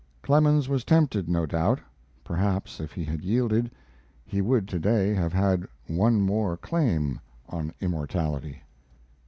Clemens was tempted, no doubt. Perhaps, if he had yielded, he would today have had one more claim on immortality.